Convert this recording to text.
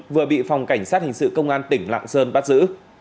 vừa bị phòng cảnh sát hình sự công an tỉnh lạng sơn bắt giữ